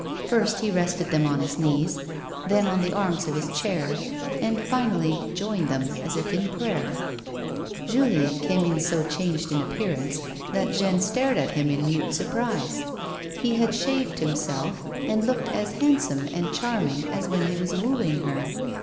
First he rested them on his knees, then on the arms of his chair, and finally joined them as if in prayer. A WOMAN'S LIFE. 123 Julien came in so changed in appearance that Jeanne stared at him in mute surprise. He had shaved himself and looked as handsome and charming as when he was wooing her.